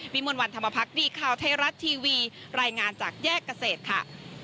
มวลวันธรรมพักดีข่าวไทยรัฐทีวีรายงานจากแยกเกษตรค่ะ